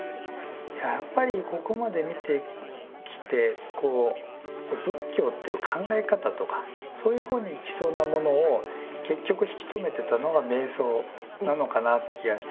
いややっぱりここまで見てきて仏教という考え方とかそういう方に行きそうなものを結局引き止めてたのが瞑想なのかなって気がして。